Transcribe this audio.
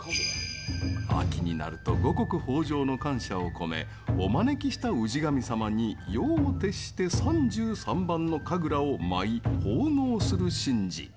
秋になると五穀豊じょうの感謝を込めお招きした氏神様に夜を徹して三十三番の神楽を舞い奉納する神事。